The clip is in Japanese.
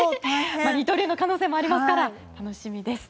二刀流の可能性もありますから楽しみです。